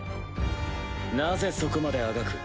なぜそこまであがく？